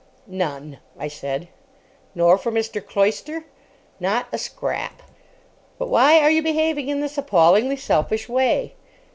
"None," I said. "Nor for Mr. Cloyster?" "Not a scrap." "But why are you behaving in this appallingly selfish way?"